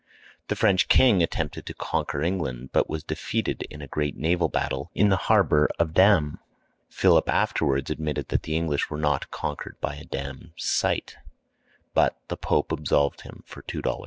The French king attempted to conquer England, but was defeated in a great naval battle in the harbor of Damme. Philip afterwards admitted that the English were not conquered by a Damme site; but the Pope absolved him for two dollars.